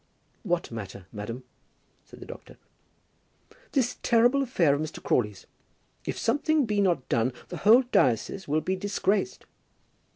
"What matter, madam?" said the doctor. "This terrible affair of Mr. Crawley's. If something be not done the whole diocese will be disgraced."